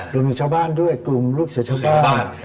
กลุ่มชาวบ้านด้วยกลุ่มลูกเสือชาวบ้าน